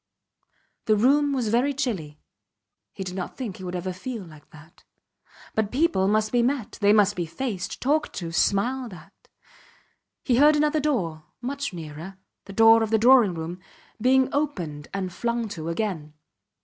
The room was very chilly. He did not think he would ever feel like that. But people must be met they must be faced talked to smiled at. He heard another door, much nearer the door of the drawing room being opened and flung to again.